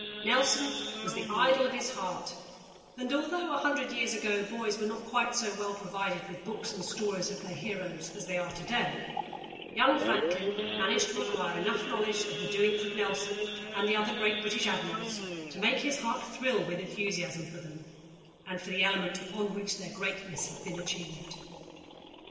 Nelson was the idol of his heart, and although a hundred years ago boys were not quite so well provided with books and stories of their heroes as they are to day, young Franklin managed to acquire enough knowledge of the doings of Nelson, and the other great British Admirals, to make his heart thrill with enthusiasm for them, and for the element upon which their greatness had been achieved.